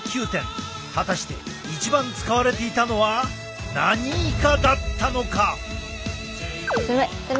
果たして一番使われていたのは何イカだったのか？